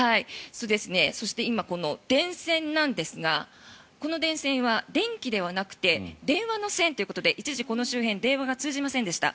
そして、今、電線なんですがこの電線は電気ではなくて電話の線ということで一時、この周辺電話が通じませんでした。